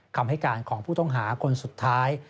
คำให้การของผู้ต้องหาคนสุดท้าย